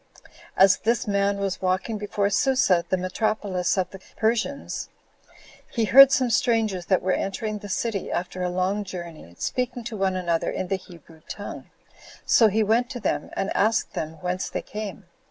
As this man was walking before Susa, the metropolis of the Persians, he heard some strangers that were entering the city, after a long journey, speaking to one another in the Hebrew tongue; so he went to them, and asked them whence they came.